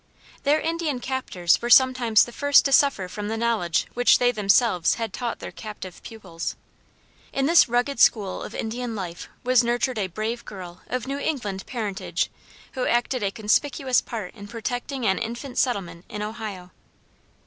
Their Indian captors were sometimes the first to suffer from the knowledge which they themselves had taught their captive pupils. In this rugged school of Indian life was nurtured a brave girl of New England parentage, who acted a conspicuous part in protecting an infant settlement in Ohio.